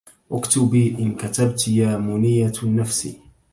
اكتبي إن كتبت يا منية النفس